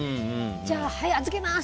じゃあ、はい預けます！